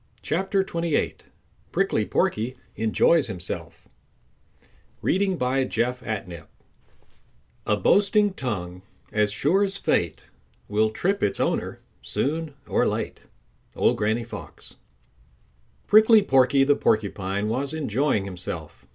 CHAPTER XXVIII Prickly Porky Enjoys Himself A boasting tongue, as sure as fate, Will trip its owner soon or late. —Old Granny Fox. Prickly Porky the Porcupine was enjoying himself.